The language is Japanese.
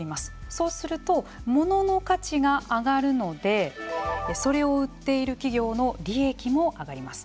そうするとモノの価値が上がるのでそれを売っている企業の利益も上がります。